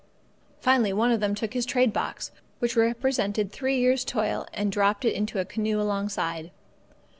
Finally, one of them took his trade box, which represented three years' toil, and dropped it into a canoe alongside.